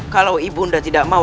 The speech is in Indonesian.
kalau ibunda tidak mau